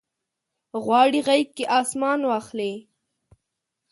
غواړي غیږ کې اسمان واخلي